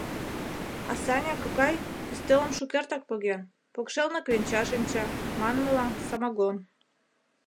А Саня кокай ӱстелым шукертак поген, покшелне кленча шинча, манмыла, самогон.